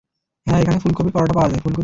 হ্যাঁঁ, এখানে ফুলকপির পরোটা পাওয়া যায়।